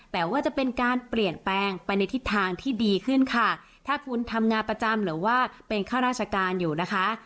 แต่ว่าจะเป็นการเปลี่ยนแปลงไปในทิศทางที่ดีขึ้นค่ะถ้าคุณทำงานประจำหรือว่าเป็นข้าราชการอยู่นะคะ